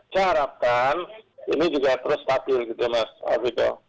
saya harapkan ini juga terus stabil gitu mas alvito